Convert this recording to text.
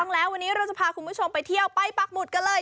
แล้ววันนี้เราจะพาคุณผู้ชมไปเที่ยวไปปักหมุดกันเลย